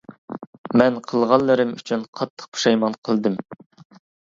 -مەن قىلغانلىرىم ئۈچۈن قاتتىق پۇشايمان قىلدىم.